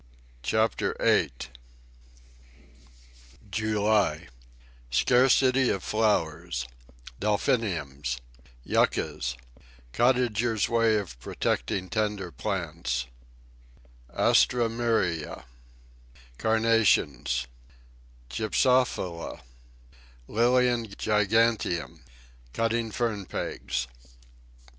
CHAPTER VIII JULY Scarcity of flowers Delphiniums Yuccas Cottager's way of protecting tender plants Alströmerias Carnations Gypsophila Lilium giganteum Cutting fern pegs.